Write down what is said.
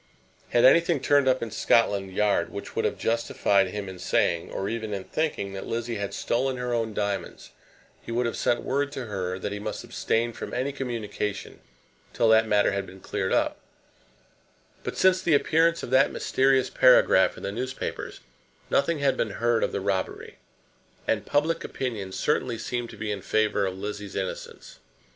Had anything turned up in Scotland Yard which would have justified him in saying, or even in thinking, that Lizzie had stolen her own diamonds, he would have sent word to her that he must abstain from any communication till that matter had been cleared up; but since the appearance of that mysterious paragraph in the newspapers, nothing had been heard of the robbery, and public opinion certainly seemed to be in favour of Lizzie's innocence.